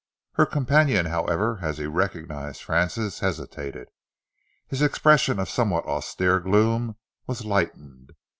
Her companion, however, as he recognised Francis hesitated. His expression of somewhat austere gloom was lightened.